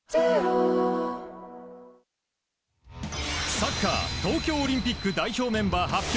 サッカー東京オリンピック代表メンバー発表